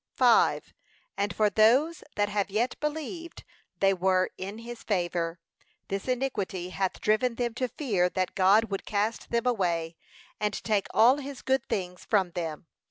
And for those that have yet believed they were in his favour, this iniquity hath driven them to fear that God would cast them away, and take all his good things from them.